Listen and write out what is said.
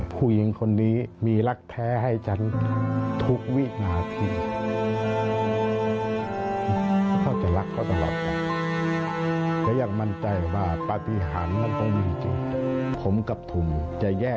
ไปต้องค่ะ